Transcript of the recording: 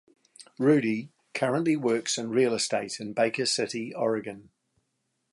Rudi currently works in real estate in Baker City, Oregon.